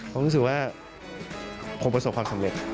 ผมรู้สึกว่าคงประสบความสำเร็จ